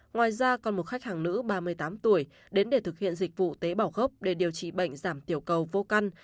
ngoài ra còn một khách hàng nữ ba mươi tám tuổi đến để thực hiện dịch vụ tế bào gốc để điều trị bệnh giảm tiểu cầu vô căn